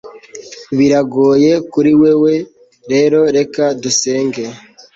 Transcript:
biragoye kuri wewe rero reka dusenge